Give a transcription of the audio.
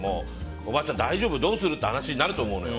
おばあちゃん大丈夫？って話にあると思うのよ。